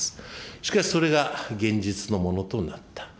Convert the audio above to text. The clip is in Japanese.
しかし、それが現実のものとなった。